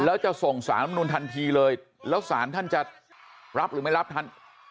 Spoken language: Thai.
แล้วจะส่งสารรัฐมนุนทันทีเลยแล้วสารท่านจะรับหรือไม่รับท่าน